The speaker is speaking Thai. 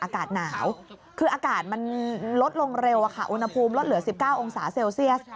อากาศหนาวคืออากาศมันลดลงเร็วอุณหภูมิลดเหลือ๑๙องศาเซลเซียส